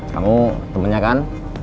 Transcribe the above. kamu temennya kan